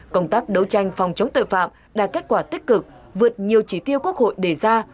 công tác đấu tranh phòng chống tội phạm đạt kết quả tích cực vượt nhiều chỉ tiêu quốc hội đề ra